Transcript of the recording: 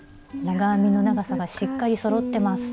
長編みの長さがしっかりそろってます。